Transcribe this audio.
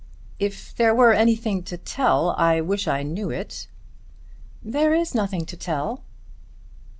"If there were anything to tell I wish I knew it." "There is nothing to tell."